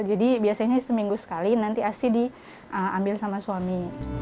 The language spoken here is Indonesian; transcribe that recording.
jadi biasanya seminggu sekali nanti asi diambil sama suami